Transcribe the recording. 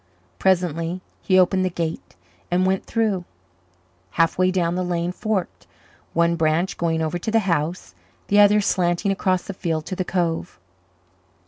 Presently he opened the gate and went through. Halfway down the lane forked, one branch going over to the house, the other slanting across the field to the cove.